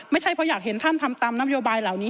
ไม่ใช่เพราะอยากเห็นท่านทำตามนโยบายเหล่านี้